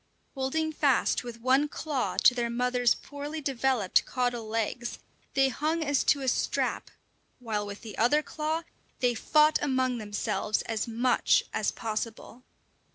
Holding fast with one claw to their mother's poorly developed caudal legs, they hung as to a strap, while with the other claw they fought among themselves as much as possible.